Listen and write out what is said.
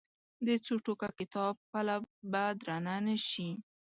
د څو ټوکه کتاب پله به درنه نه شي.